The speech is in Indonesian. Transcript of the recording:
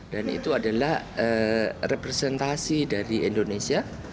dan itu adalah representasi dari indonesia